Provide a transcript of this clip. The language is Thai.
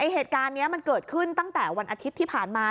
เหตุการณ์นี้มันเกิดขึ้นตั้งแต่วันอาทิตย์ที่ผ่านมา